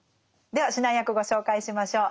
では指南役ご紹介しましょう。